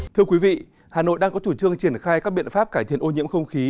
thưa quý vị hà nội đang có chủ trương triển khai các biện pháp cải thiện ô nhiễm không khí